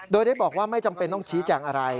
โดยได้บอกว่าไม่จำเป็นต้องชี้แจงอะไร